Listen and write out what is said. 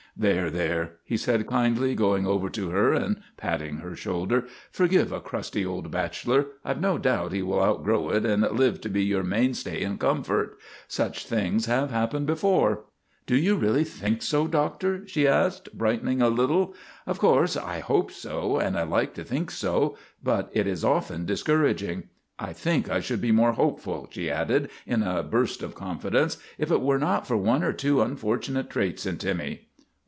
There, there," he said, kindly, going over to her and patting her shoulder. " Forgive a crusty old bachelor. I 've no doubt he will outgrow it and live to be your mainstay and comfort. Such things have happened before." " Do you really think so, Doctor ?" she asked, THE REGENERATION OF TIMMY 193 brightening a little. "Of course, I hope so, and I like to think so, but it is often discouraging. I think I should be more hopeful," she added in a burst of confidence, " if it were not for one or two unfortu nate traits in Timmy."